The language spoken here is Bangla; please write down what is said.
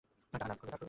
টাকা ধার করবে?